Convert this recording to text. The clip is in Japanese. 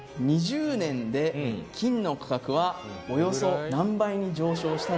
２０年で金の価格はおよそ何倍に上昇したでしょうかと。